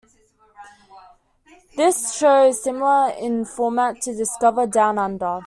This show is similar in format to "Discover Downunder".